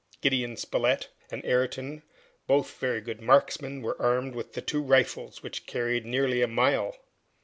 Gideon Spilett and Ayrton, both very good marksmen, were armed with the two rifles, which carried nearly a mile.